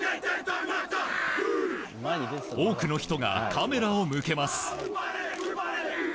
多くの人がカメラを向けます。